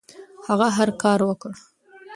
هغه هر کار وکړ.